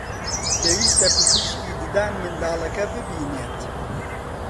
پێویستە پزیشکی ددان منداڵەکە ببینێت